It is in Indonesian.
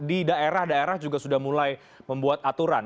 di daerah daerah juga sudah mulai membuat aturan